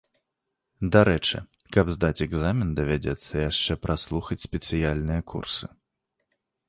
Дарэчы, каб здаць экзамен давядзецца яшчэ праслухаць спецыяльныя курсы.